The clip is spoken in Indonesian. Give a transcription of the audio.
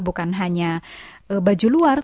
bukan hanya baju luar